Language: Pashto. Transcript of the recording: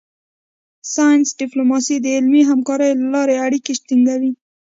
ساینس ډیپلوماسي د علمي همکاریو له لارې اړیکې ټینګوي